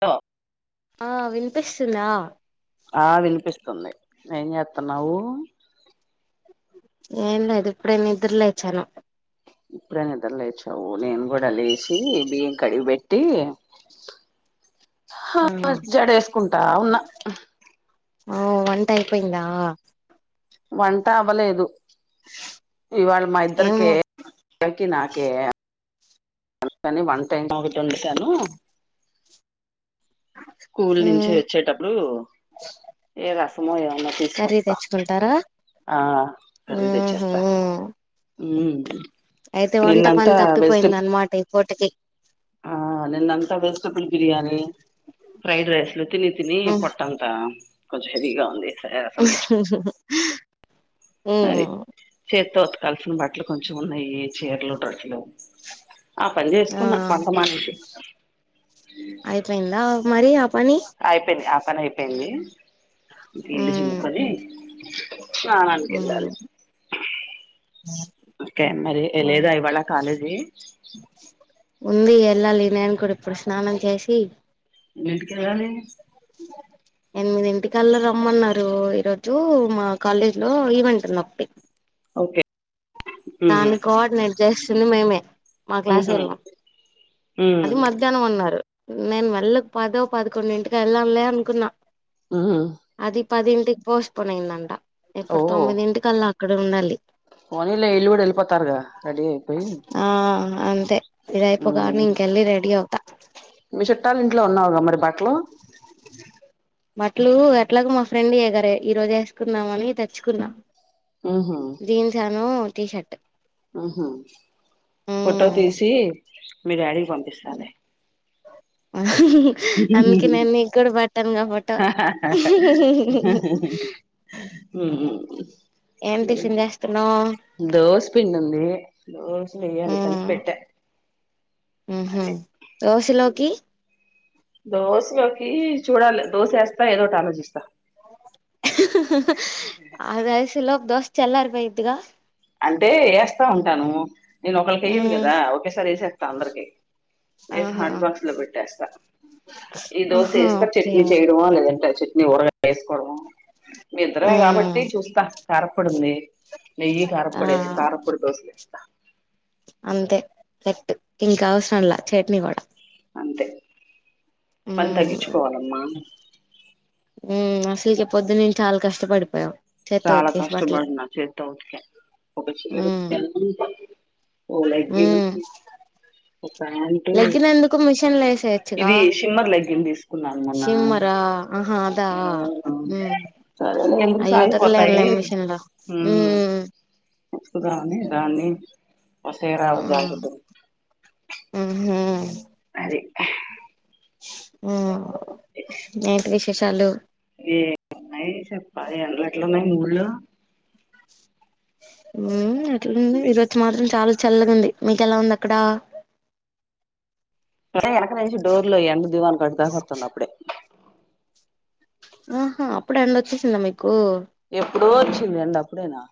ట ఆ వినిపిస్తుందా ఆ వినిపిస్తుంది ఏం చేస్తున్నావు ఏం లేదు ఇప్పుడే నిద్దరు లేచాను ఇప్పుడే నిద్ర లేచావు నేను కూడా లేసి బియ్యం కడిగి పెట్టి [inaudible] ఆ జడ వేసుకుంటా ఉన్నా ఆఓ వంట అయిపోయిందా వంట అవ్వలేదు ఇవాళ మా ఏం ఇద్దరికేకి నాకే [unintelligible] స్కూల్ నుంచే మ్ ఒచ్చేటప్పుడు ఏం రస్తుందో ఏమో నాకు తెలుసా కర్రీ పుస్తకం తెచ్చుకుంటారా ఆ కర్రీ మ్ హు తెచ్చేస్తా ఉమ్ అయితే వంట నిన్నంతా పని తప్పిపోయింది వెజిటబుల్ అనమాట ఇ పూటకి ఆ నిన్నంత వెజిటబుల్ బిర్యానీ ఫ్రైడ్ రైస్లు తిని తిని మ్ పొట్టంతా కొంచెం హెవీగా ఉంది రసం తెచ్చు [inaudible] అది చేత్తో ఉతకాల్సిన బట్టలు కొంచెం ఉన్నాయి చీరలు డ్రస్లు ఆ పని ఆ చేసుకున్న వంట మానేసి అయిపోయిందా మరి ఆ పని అయిపోయింది ఆ పన అయిపోయింది ఇంక ఇల్లు మ్ చిముకొని స్నాననికి మ్ వెళ్ళాలి ఓకే మరి లేదా ఇవాళ కాలేజీ ఉంది వెళ్ళాలి నేను కూడా ఇప్పుడు స్నానం చేసి ఎన్నింటికెళ్లాలి [inaudible] ఎనిమిది ఇంటికల్ల రమ్మన్నారు ఈరోజు మా కాలేజ్ లో ఈవెంట్ ఒకటి ఓకే ఉమ్ దాన్ని కోఆర్డినేట్ చేస్తుంది మేమే మా ఉహు క్లాసొల్లు ఉమ్ అది మధ్యాహ్నం అన్నారు నేను మెల్లగ్ పదో పదకొండు ఇంటికి ఎల్దాంలే అనుకున్నా ఉహు అది పదింటికి పోస్ట్పోన్ అయ్యిందంట ఓ ఇప్పుడు తొమ్మిదింటికల్లా అక్కడ ఉండాలి పోనీలే ఇళ్లు కూడా వెళ్ళిపోతారుగా రెడీ అయిపోయి ఆ అంతే ఇదయిపోగాని ఉమ్ ఇంకెల్లి రెడీ అవుతా లో ఉన్నవుగా మరి బట్లో బట్లు ఎట్లాగ మా ఫ్రెండ్ ఎగరే ఈరోజు వేసుకున్నామని తెచ్చుకున్న జీన్స్ అను టీషర్ట్ ఆహ ఫోటో తీసి మీ డాడీకి పంపిస్తాలె అందుకే నేను నీ కూడా పట్టానుగా ఫోటో [inaudible] ఏం ఉహామ్ టిఫిన్ చేస్తున్నావ్ దోశ పిండుంది దోస్ వెయ్యాలి కలిపెట్ట ఉహు అదే దోశలోకి దోశలోకి చూడాలి దోశ వేస్తా ఏదోటి ఆలోచిస్తా హ హా అదేసేలోపు దోశ చల్లర్ బోయ్దిద్గా అంటే ఎస్తా ఉంటాను నేను ఒకలికి ఎయ్యను ఉమ్ కదా ఒకేసారి వేసేస్తా అందరికి వేసి ఆహా హాట్ బాక్స్ లో పెట్టేస్తా ఈ దోశ ఆహా వేస్తా ఓకే చట్నీ చేయడమో లేదంటే చట్నీ ఊరగాయ వేసుకోవడమో మీ ఇద్దరమే కాబట్టి ఉమ్ చూస్తా కార పొడుంది నెయ్యి ఆ కారపొడి వేసి కారాపొడి దోసలు ఎస్తా అంతే సెట్టు ఇంకావసరంలే చట్నీ కూడా అంతే పని ఉమ్ తగ్గించుకోవాలమ్మా ఉమ్ అసల్కె ప్పొద్దనుంచి నేను చాలా కష్టపడిపోయావ్ చాలా కష్టపడిన చేత్తో ఉతిక ఒక చీర ఉమ్ ఉతీకాను ఓ లెగ్గిన్ ఉమ్ ఉతికను ఒక ప్యాంటు లెగ్గినందుకు మిషన్ లో వేసేయచ్చుగా ఇది సిమ్మర్ లెగ్గిన్ తీసుకు న్నాడు మొన్న షిమ్మరా ఆహా అదా ఆ మ ఉమ్ సరేలేందుకు అయి ఉతకలేంలే కొత్తయి మిషన్ లో ఉమ్ ఉతుకుదామని దాన్ని ఓ సిరా ఆ ఓ జాకెట్టు ఉహూ ది ఊమ్ ఏంటి విశేషాలు ఏ [unintelligible] ఉన్నాయ్ చెప్పాలి అన్ని ఎట్లున్నాయి ఊర్లో. ఊమ్ ఎట్లున్నయ్ ఈ రోజు మాత్రం చాలా చల్లగుంది మీకెలా ఉంది అక్కడ ఒసేయ్ ఎనక నుంచి డోర్లు ఎండ దీవనకాటుదాక ఒత్తాంది అప్పుడే. ఊహు అప్పుడే ఎండ ఒచ్చేసింద మీ ఎప్పుడో వచ్చింది ఎండ అప్పుడేనా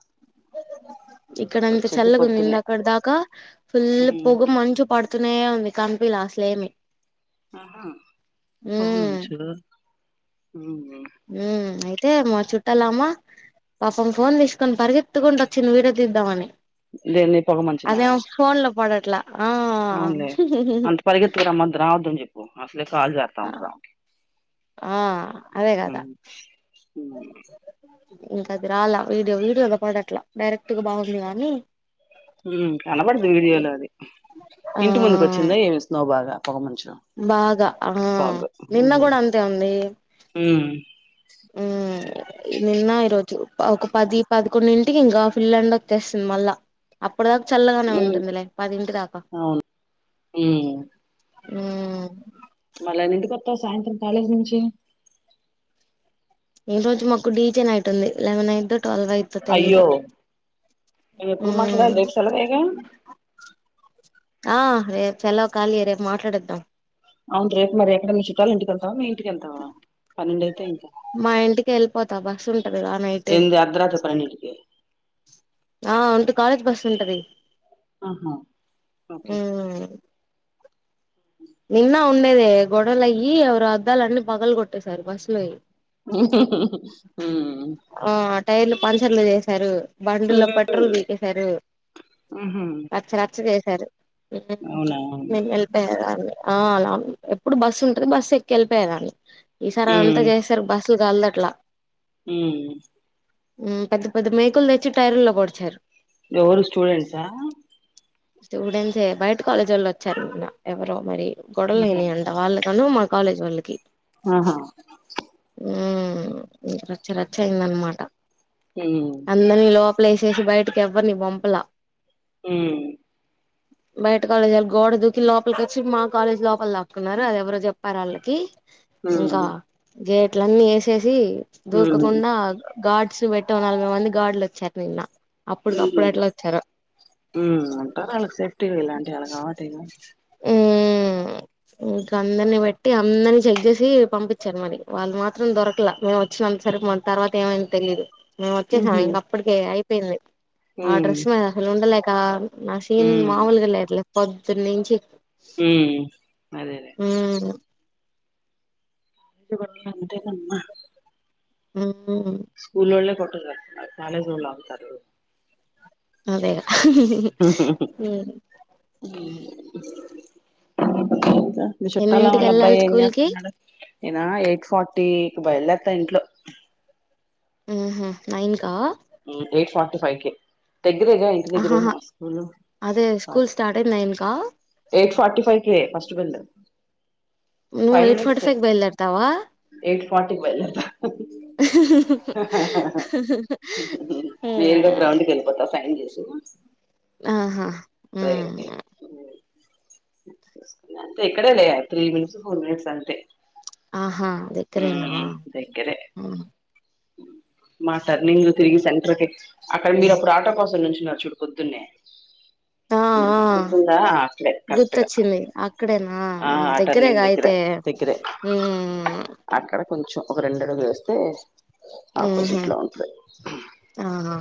ఇక్కడ అంత వచ్చిద్ది చల్లగుంది పొద్దున్నే ఇందాకడ్ దాకా ఫుల్ల్ ఉమ్ పొగ మంచు పడుతునే ఉంది. కనిపియాల అసలేమి అహా పొగ ఉమ్ మంచూ ఊ ఊమ్ ఐ తే మా చుట్టాలామా పాపం ఫోన్ తీసుకొని పరిగెత్తుకుంటూ వచ్చింది వీడియో తీద్దామని. దేన్ని అదేమో ఫోన్ లో పడ పోన్లే అంత పరిగెత్తుకురమద్దు రావద్దు అని చెప్ ట్లే కాల్ జారుతా ఉంటద ఆ అదే గదా ఉమ్, ఇంకా అది రాలా వీడియో వీడియోలో పడట్లా డైరెక్ట్ గా బాగుంది గానీ ఊమ్ కనపడుదు వీడియోలో అది, ఆ ఇంటి ముందుకు వచ్చిందా ఏమి స్నో బాగా పొగ మంచు. బాగ ఆ ఫాగ్ నిన్న ఉమ్ కూడా అంతే ఉందీ ఉమ్, ఊమ్ [unintelligible] నిన్న ఈరోజు ప ఒక పది పదకొండింటికి ఇంకా ఫుల్ ఎండ వచ్చేస్తుంది మళ్ళా అ. అప్పడిదాక్ చల్లగనే ఉమ్, ఉంటుందిలే పదింటి దాకా. అవును ఉమ్ ఊ అలా ఎన్నింటికి ఒత్తవ్ సాయంత్రం కాలేజ్ నుంచి ఈ రోజు మాకు డీజే నైట్ ఉంది, లెవెన్ అయిద్, దో ట్వెల్వ్ అయిద్దో తెలీదు. నువ్ ఎప్పుడు మ్మ్ మాట్లాడాలి రేపు సెలవేగా ఆ రేప్ సెలవ్ ఖాలీయే రేప్ మాట్లాడేద్దాం అవును రేపు మరి ఎక్కడ మీ చుట్టాలు ఇంటికెళ్తావా, మీ ఇంటికెళ్తావా, పన్నెండు అయితే ఇంకా. మా ఇంటికి వెళ్ళిపోతా బస్సు ఉంటది ఆ నైట్ ఎంత అర్దరాత్రి పన్నెండిటిక ఆ అంటు కాలేజ్ బస్స్ ఉంటది ఆహా ఓకే మ్మ్ నిన్న ఉండేదే, గొడవలయ్యీ ఎవరో అద్దాలు అన్నీ పగలు గొట్టేసారు బస్ లోయ్. ఉహుహుహు ఊ ఆ టైర్లు పంచర్లు చేసారు, బండిల్లో పెట్రోల్ వీకేశారు, ఉహు రచ్చ రచ్చ జేస్. అవునా [unintelligible] వెళ్ళిపోయారు ఆల్లే. ఆ లాల్ ఎప్పుడు బస్సు ఉంటది. బస్సు ఎక్కి ఎళ్ళిపోయారు ఆళ్ళె, ఈసారి అంత జేసారు బస్. తిగాలట్ల ఊ ఊ పెద్ద పెద్ద మేకులు తెచ్చి టైరుల్లో పొడిచారు. ఎవరు స్టూడెంట్సా స్టూడెంట్సే బయట కాలేజోళ్ళు ఒచ్చారు ఇంగ, ఎవరో మరి గొడవలు ఆహా అయినాయంట వాళ్ళె. తనూ మా కాలేజ్ వాళ్ళకి ఆహా ఊ రచ్చ రచ్చ అయిందనమాట ఉమ్ అందరిలో లోపలేసేసి బయటకి ఎవ్వరిని పంపల ఊ బయట కాలేజోల్ గోడ దూకి లోపల్కొచ్చి, మా కాలేజ్ లోపల దాక్కున్నారు, అది ఎవరో జెప్పారు. ఆళ్ళకి. ఇంకా ఉమ్ గేట్లన్నీ ఏసేసి ఉమ్ దూకకుండా గార్డ్స్ వెట్టి ఓ నలభై మంది గార్డ్లు ఒచ్చార్ నిన్న. అప్పుటికప్పుడు ఎట్లా వచ్చారో హ్మ్ వుంటారు వాళ్ళకి సేఫ్టీగా ఇలాంటివి వాళ్ళ కావట్ హ్మ్ ఇంకా అందరిని పెట్టి అందరినీ చెక్ చేసి పంపించారు మరి వాళ్ళు మాత్రం దొరకలే మేము వ వచ్చిన సరిమ తర్వాత ఏమైందో తెలీయదు మేము వచ్చేసాం ఉహు ఇంక అప్పటిక అయిపోయింది ఆ ఉమ్ డ్రెస్ మీద అసలు ఉండలేక నా సీన్ ఉమ్ మామూలుగా లేదులే పొద్దున్న నుంచి ఉమ్మ్ అదేలే మ్మ్ గేట్లుంటదమా ఆ స్కూలవోలె కొట్టుకు చేతనారు కాలేజ్ వాళ్ళు ఆగుతారు అదెలా మీ చుట్టాల ఎన్నింటికి వాళ్ళ అబ్బాయ్ వెళ్ళాలి ఏం స్కూల్ కి చేతనాడు నేనా ఎయిట్ ఫార్టీకి బయలుదేత్తా ఇంట్లో ఊహ్మ్మ్ నైన్ క ఎయిట్ ఫార్టీఫైవ్ కీ దాగిరేగా ఇంటి దగ్గరే ఆహాహా మా స్కూల్ అదే స్కూల్ స్టార్ట్ అయింది నైన్ కా ఎయిట్ ఫార్టీ ఫైవ్ కే ఫస్ట్ బేళ్లు నువ్ ఎయిట్ ఫార్టీ ఫైవ్ కీ బయల్దర్తావా ఫార్టీ కీ బయలుదేరాత [unintelligible] నేరుగా గ్రౌండ్ కీ వెళ్ళిపోతా సైన్ చేసి ఆహా హ్మ్మ్ ప్రేయర్కి ఇక్కడేలే త్రీ మినిట్స్ ఫోర్ మినిట్స్ అంతే ఆహా దగ్గరేనా ఉమ్, దగ్గరే హ్మ్ మా టార్ణింగ్ తిరిగి సెంటర్ కి అక్కడ మీరు అప్పుడు ఆటో కోసం నుంచి చూడుపొద్దున్నే ఆ అ అ కరెక్ట్ గా గుర్తొచ్చింది అక్కడేనా ఆ ఆ దగ్గరేగా టర్నింగ్ దగ్గర అయితే దగ్గరే ఉమ్, అక్కడ కొంచెం ఒక రెండు అడుగు వేస్తే ఆపోజిట్ లో ఉంటది అవునా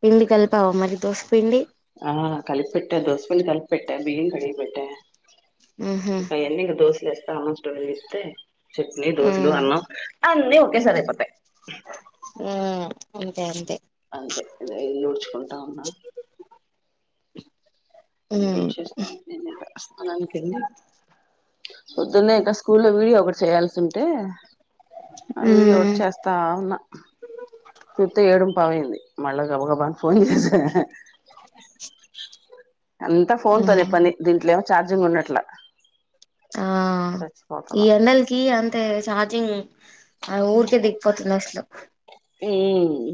పిండి కలిపావా మరి దోసిపిండి ఆ కలిపెంటాను దోశపిండి కలిపెట్ట బియ్యం కడిగి పెట్ట ఉహు ఇంకా ఆయన్ని దోసలే వస్తా స్టోర్ చేస్తే చట్నీ ఉ దోసలు అన్నం అన్నీ ఓకే సారీ అయిపోతాయి హ్మ్ అంతే అంతే అంతే ఇల్లు ఊడ్చుకుంట ఉన్నా [inaudible] ఉ ఇల్లు ఊడ్చుచేస్త నేను ఇక్కడ స్నానానికి వెళ్లి పొద్దున్నే ఇంకా స్కూల్లో వీడియో ఒకటి చేయాల్సి ఉంటే ఆ వీడియో ఒకటి చేస్తా ఉన్న చూత్తే ఏడుంపావు అయింది మళ్ళా గబ గబా అని ఫోన్ చేస [inaudible] అంతా ఫోన్ తోనే ఉ పని దీంట్లో ఏమో చార్జింగ్ ఉండట్లే ఆ ఈ ఎండల్ కి అంటే చార్జింగ్ అ ఊరికే దిగిపోతుంది అసలు హుమ్మ్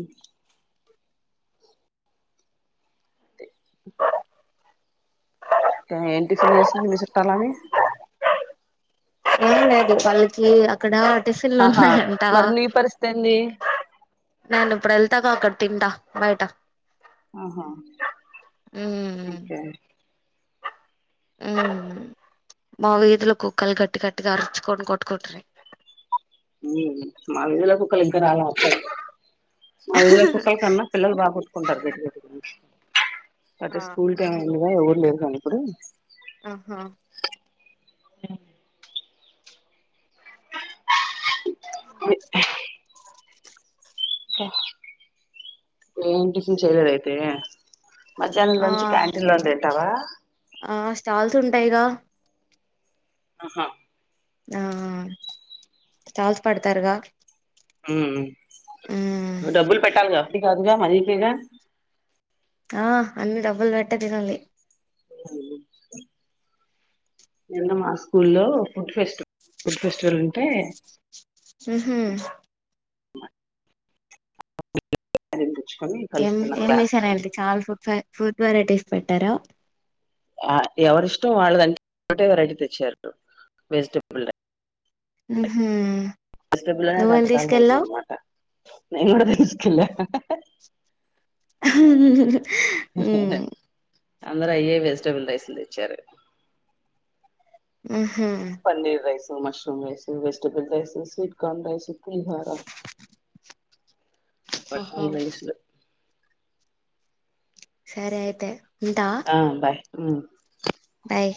ఏం టిఫిన్ చేసింది మీ చుట్టాలమే ఏం లేదు వాళ్ళకి అక్కడ టిపిన్లు ఆహా ఉన్నాయంట మరి నీ పరిస్థితి ఏంది నేను ఇప్పుడు వెళ్తాగా అక్కడ తింటా బయట ఆహా. ! ఉమ్ ఓకే. ఊహ్మ్. మా వీధులో కుక్కల్ గట్టి గట్టిగా అరిచుకొన్ కొట్టుకుంటున్నాయి. ఊహ్మ్. మా విధీలో కుక్కలు ఇంకా రాలా అత్తాయ్. మా విధిలో కుక్కల్ కన్నా పిల్లలు బాగోట్టుకుంటారు గట్టి గట్టిగా. అటే ఆ స్కూల్ టైం అయిందిగా ఎవరు లెరు గానీప్పుడు. ! ఆహా. ! హు [inaudible] ఏం టిఫన్ చేయలేదైతే.? ! మధ్యాహ్నాం ఆ లంచ్ క్యాంటీన్ లోన్ తింటావా.? ! ఆ స్టాల్స్ ఉంటాయిగా. ఆహా. ! న్హా స్టాల్స్ పేడ్తారుగా. ! ఊమ్మ్మ్ డబ్బులు పెట్టాల్గా. ! అప్పు కాదుగా.? ! మనీ పేగా.? ! ఆ అన్ని డబ్బులు బెట్టే తినాలి. [unintelligible] నిన్న మా స్కూల్లో ఫుడ్ ఫెస్ట్, ఫుడ్ ఫెస్టివల్ ఉంటే. ఉహూ. [unintelligible] ఏం కలుస్తున్నారు ఏం క్లాస్ జేశారంటీ.? చాలా ఫుడ్ ఫే ఫుడ్ వెరైటీస్ పెట్టారా. ! ఆ ఎవరిష్టం వాళ్ళదం [inaudible] టే వెరైటీ తెచ్చారు వెజిటేబుల్ రై. ఉహూ. వెజిటేబుల్లోనె రకాల్ వైజ్ అన్నమాట. నేను గూడా దీస్కెళ్ల హా హా హా. ఊహుహుహుహు హూ. అందరయ్యో వెజిటేబుల్ రైసుల్ దెచ్చారు. ఊహ్. Paneer rice, mushroom rice, vegetable rice, sweet corn rice. పులిహోర. రకరకాల ఆహా. రైస్ లు. సరే ఐతే. ఆ బాయ్. ఊహ్మ్. భాయ్.